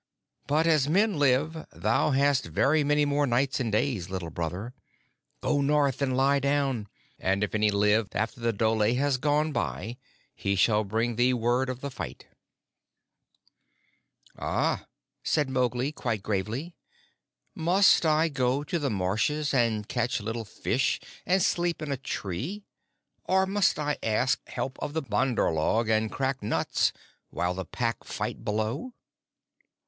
But, as men live, thou hast very many more nights and days, Little Brother. Go north and lie down, and if any live after the dhole has gone by he shall bring thee word of the fight." "Ah," said Mowgli, quite gravely, "must I go to the marshes and catch little fish and sleep in a tree, or must I ask help of the Bandar log and crack nuts, while the Pack fight below?"